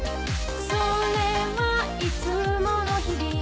「それはいつもの日々」